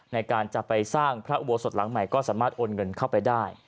ในการจะไปสร้างพระอุโบสถหลังใหม่ก็สามารถโอนเงินเข้าไปได้